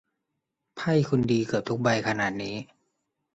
ไพ่คุณดีเกือบทุกใบขนาดนี้